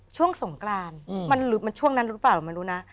ช่วงสงกรานมันช่วงนั้นรู้หรือเปล่ามันรู้นะ